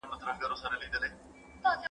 زه پرون سبزیجات تيار کړل!.